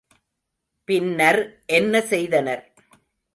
பின்னர் என்ன செய்தனர்?